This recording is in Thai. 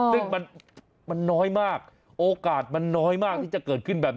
ซึ่งมันน้อยมากโอกาสมันน้อยมากที่จะเกิดขึ้นแบบนี้